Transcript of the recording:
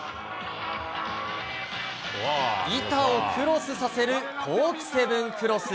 板をクロスさせるコーク７２０クロス。